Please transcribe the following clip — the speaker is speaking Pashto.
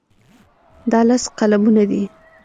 دا لس قلمونه دي.